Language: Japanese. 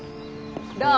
どう？